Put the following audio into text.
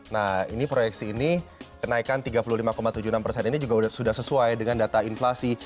nah ini proyeksi ini kenaikan tiga puluh lima tujuh puluh enam persen ini juga sudah sesuai dengan data inflasi